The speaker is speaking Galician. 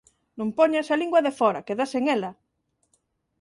Non poñas a lingua de fóra, quedas sen ela.